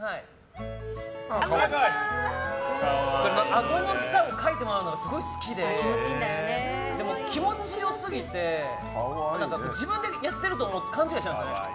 あごの下をかいてもらうのがすごい好きで気持ち良すぎて自分でやってると思って勘違いしちゃうんですよね。